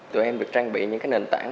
tụi em được trang bị những cái nền tảng